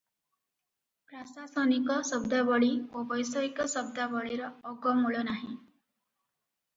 ପ୍ରାଶାସନିକ ଶବ୍ଦାବଳୀ ଓ ବୈଷୟିକ ଶବ୍ଦାବଳୀର ଅଗମୂଳ ନାହିଁ ।